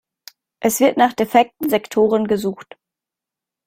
Es wird nach defekten Sektoren gesucht.